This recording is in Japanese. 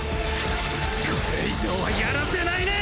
これ以上はやらせないね！